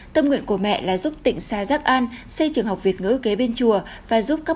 tâm nguyện của mẹ là giúp tỉnh sa giác an xây trường học việt ngữ kế bên chùa và giúp các